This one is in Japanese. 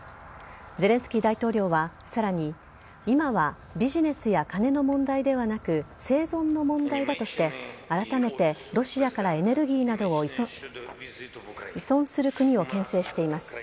ゼレンスキー大統領はさらに今はビジネスや金の問題ではなく生存の問題だとしてあらためてロシアからエネルギーなどを依存する国をけん制しています。